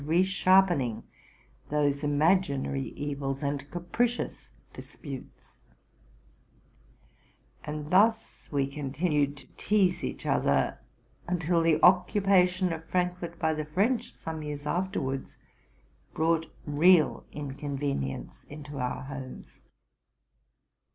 41 resharpening those imaginary evils and capricious disputes ; and thus we continued to tease each other, until the occupa tion of Frankfort by the French some years afterwards brought real inconvenience into our homes.